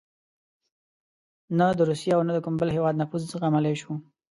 نه د روسیې او نه د کوم بل هېواد نفوذ زغملای شو.